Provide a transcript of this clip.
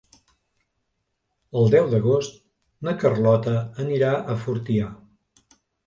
El deu d'agost na Carlota anirà a Fortià.